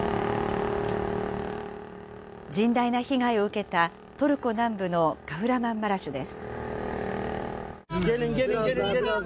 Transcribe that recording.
甚大な被害を受けたトルコ南部のカフラマンマラシュです。